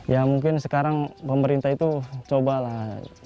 ya mungkin sekarang pemerintah itu cobalah